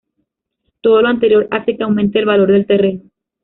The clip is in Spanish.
Todo lo anterior hace que aumente el valor del terreno.